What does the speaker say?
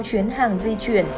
chuyến hàng di chuyển